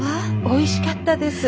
おいしかったです。